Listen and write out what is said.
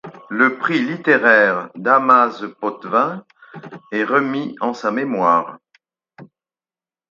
Le Prix littéraire Damase-Potvin est remis en sa mémoire.